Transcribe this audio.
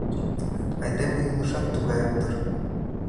Айдеме илышат тугаяк дыр.